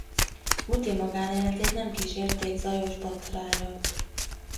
Muti magánéletét nem kísérték zajos botrányok.